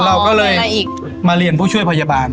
เราก็เลยมาเรียนผู้ช่วยพยาบาล